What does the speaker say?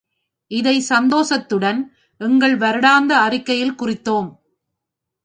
இதைச் சந்தோஷத்துடன் எங்கள் வருடாந்தர அறிக்கையில் குறித்தோம்.